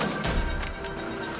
saya permisi dulu